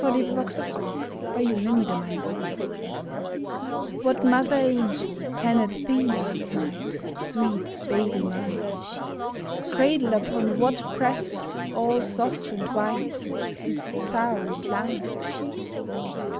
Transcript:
A MOTHER'S QUESTION What mother angel tended thee last night, Sweet baby mine ? Cradled upon what breast all soft and white Didst thou recline